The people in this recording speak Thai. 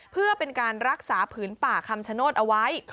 เพื่อเป็นการรักษาผืนป่าคำชโนธเอาไว้